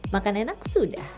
makan enak sudah